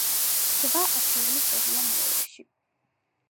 რვა ათეული წერია მეორეში.